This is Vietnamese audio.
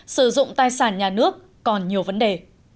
sử dụng tài sản nhà nước còn nhiều vấn đề